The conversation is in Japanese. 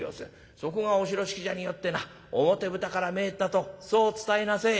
そこがお広敷じゃによってな表ぶたから参ったとそう伝えなせえ」。